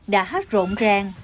đã hết rộn ràng